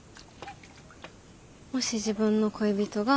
もし自分の恋人が。